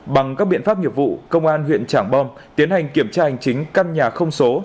bằng các biện pháp nghiệp vụ công an huyện trảng bom tiến hành kiểm tra hành chính căn nhà không số